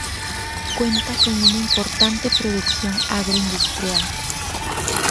Cuenta con una importante producción agroindustrial.